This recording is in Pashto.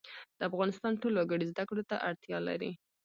د افغانستان ټول وګړي زده کړو ته اړتیا لري